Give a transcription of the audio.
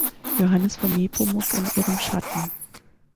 Johannes von Nepomuk in ihrem Schatten.